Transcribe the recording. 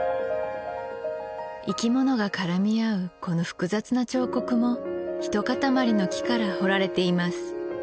生き物が絡み合うこの複雑な彫刻もひとかたまりの木から彫られています